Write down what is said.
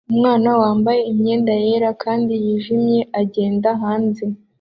Umwana wambaye imyenda yera kandi yijimye agenda hanze